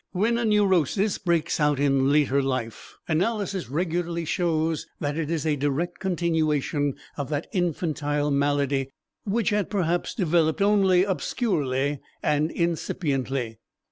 When a neurosis breaks out in later life, analysis regularly shows that it is a direct continuation of that infantile malady which had perhaps developed only obscurely and incipiently.